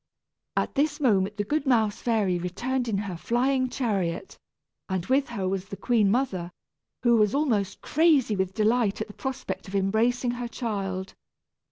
At this moment the good mouse fairy returned in her flying chariot, and with her was the queen mother, who was almost crazy with delight at the prospect of embracing her child.